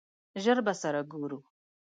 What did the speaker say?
ژر به سره ګورو!